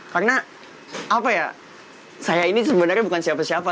karena apa ya saya ini sebenarnya bukan siapa siapa